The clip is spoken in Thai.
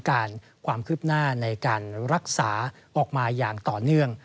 การความคืบหน้าในการรักษาออกมาอย่างต่อเนื่อง